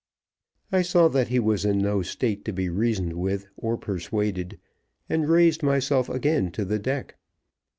I saw that he was in no state to be reasoned with or persuaded, and raised myself again to the deck.